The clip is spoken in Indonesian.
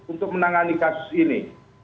untuk menangani kasus ini